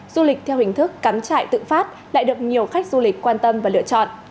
du lịch theo hình thức cắm trại tự phát lại được nhiều khách du lịch quan tâm và lựa chọn